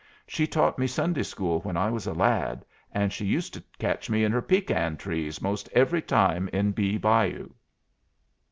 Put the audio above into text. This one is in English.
She taught me Sunday school when I was a lad, and she used to catch me at her pecan trees 'most every time in Bee Bayou."